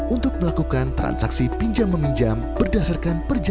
untuk melakukan transaksi pinjam menginjam berdasarkan kredit pinjaman